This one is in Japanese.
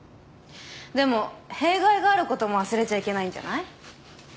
でも弊害があることも忘れちゃいけないんじゃない？